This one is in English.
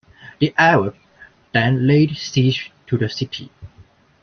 The Arabs then laid siege to the city.